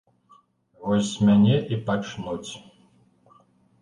Вось з мяне і пачнуць.